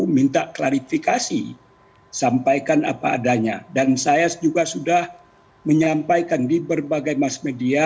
minta klarifikasi sampaikan apa adanya dan saya juga sudah menyampaikan di berbagai mass media